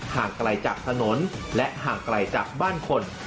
ห่างไกลจากถนนและห่างไกลจากบ้านคน